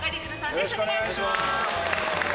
よろしくお願いします。